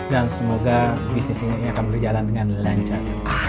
dan semoga bisnis ini akan berjalan dengan lancar